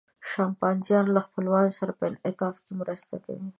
شامپانزیان له خپلوانو سره په انعطاف مرسته کوي.